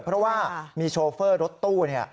เพราะว่ามีโชเฟอร์รถตู้